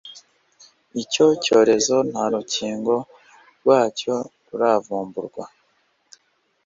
icyo cyorezo nta rukingo rwacyo ruravumburwa.